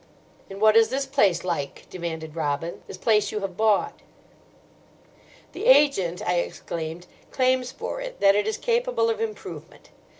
"And what is this place like?" demanded Robin, "this place you have bought." "The agent," I explained, "claims for it that it is capable of improvement.